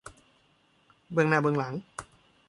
เบื้องหน้าเบื้องหลัง